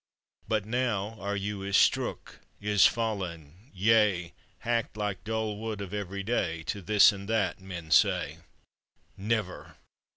But now our yew is strook, is fallen yea Hacked like dull wood of every day To this and that, men say. Never!